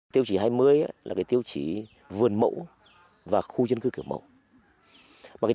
tiêu chí hai mươi là tiêu chí vườn mẫu và khu dân cư kiểu mẫu